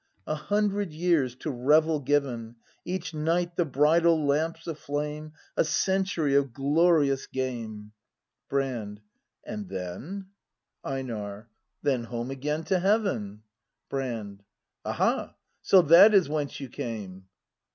A hundred years to revel given, Each night the bridal lamps aflame, — A century of glorious game Brand. And then —? ACT I] BRAND 31 EiNAR. Then home again to heaven, — Brand. Aha! so that is whence you came?